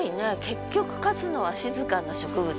結局勝つのは静かな植物。